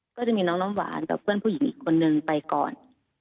ก็จะมีน้องน้ำหวานกับเพื่อนผู้หญิงอีกคนนึงไปก่อน